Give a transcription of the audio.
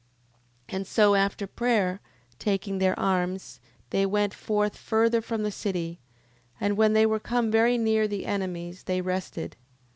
10:27. And so after prayer taking their arms, they went forth further from the city, and when they were come very near the enemies they rested.